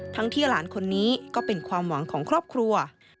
ที่หลานคนนี้ก็เป็นความหวังของครอบครัว